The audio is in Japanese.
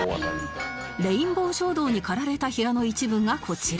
レインボー衝動に駆られた部屋の一部がこちら